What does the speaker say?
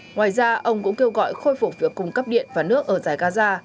ngoài ra ông cũng kêu gọi khôi phục việc cung cấp điện và nước ở giải gaza